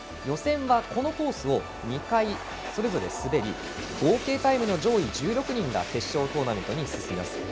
予選は、このコースを２回それぞれ滑り合計タイムの上位１６人が決勝トーナメントに進みます。